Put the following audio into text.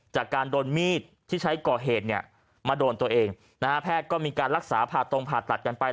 จากการโดนมีดที่ใช้ก่อเหตุเนี่ยมาโดนตัวเองนะฮะแพทย์ก็มีการรักษาผ่าตรงผ่าตัดกันไป